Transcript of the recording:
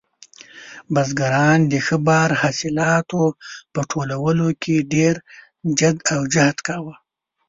بزګران د ښه بار حاصلاتو په ټولولو کې ډېر جد او جهد کاوه.